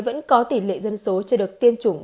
vẫn có tỷ lệ dân số chưa được tiêm chủng